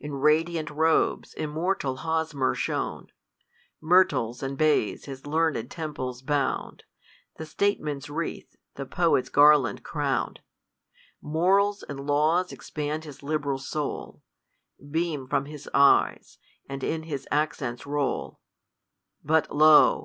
In radiant robes, immortal Hosmer shone ; Myrtles and bays his learned temples bound, The statesman's wreath, the poet's garland crownM : Morals and laws expand his liberal soul, Beam from his eyes, and in his accents roU. But lo